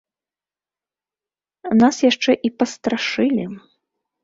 Нас яшчэ і пастрашылі.